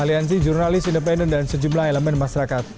aliansi jurnalis independen dan sejumlah elemen masyarakat